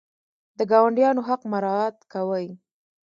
د ګاونډیانو حق مراعات کوئ؟